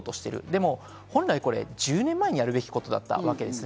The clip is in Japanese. でも本来、１０年前にやるべきことだったわけです。